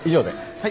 はい。